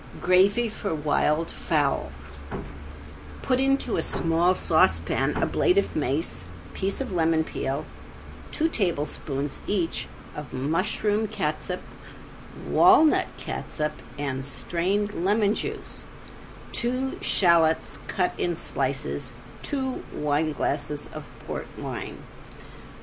~GRAVY FOR WILD FOWL~ Put into a small saucepan a blade of mace, piece of lemon peel, two tablespoonfuls each of mushroom catsup, walnut catsup and strained lemon juice; two shallots cut in slices, two wineglasses of port wine.